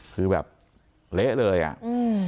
คือแบบเหละเลยอ่ะ